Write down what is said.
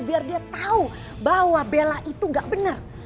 biar dia tahu bahwa bella itu nggak benar